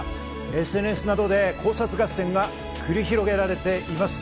ＳＮＳなどで考察合戦が繰り広げられています。